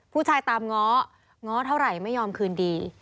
ตามง้อง้อเท่าไหร่ไม่ยอมคืนดี